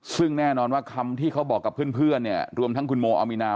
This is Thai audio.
ซึ่งแน่นอนว่าคำที่เขาบอกกับเพื่อนเนี่ยรวมทั้งคุณโมอามีนา